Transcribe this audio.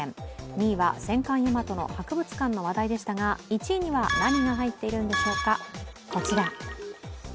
２位は戦艦「大和」の博物館の話題でしたが、１位には何が入っているんでしょうか。